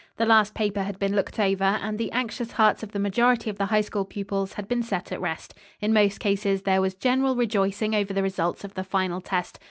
The last paper had been looked over, and the anxious hearts of the majority of the High School pupils had been set at rest. In most cases there was general rejoicing over the results of the final test.